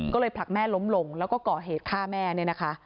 ก็เลยผลักแม่ล้มลงแล้วก็ก่อเหตุฆ่าแม่เนี่ยนะคะ